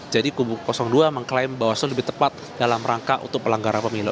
jadi kubu dua mengklaim bawastu lebih tepat dalam rangka untuk pelanggaran pemilu